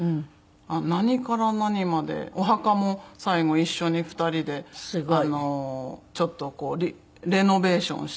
何から何までお墓も最後一緒に２人でちょっとレノベーションしたりして。